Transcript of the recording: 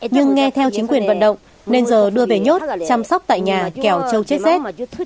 nhưng nghe theo chính quyền vận động nên giờ đưa về nhốt chăm sóc tại nhà kéo châu chết xét